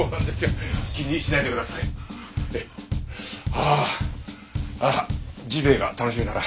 ああジビエが楽しみだな。